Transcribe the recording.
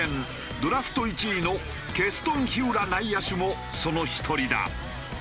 ドラフト１位のケストン・ヒウラ内野手もその一人だ。